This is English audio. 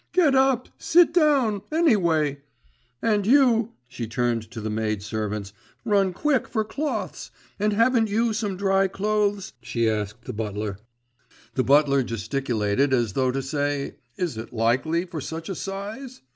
Get up; sit down, anyway.… And you,' she turned to the maid servants, 'run quick for cloths. And haven't you some dry clothes?' she asked the butler. The butler gesticulated as though to say, Is it likely for such a size?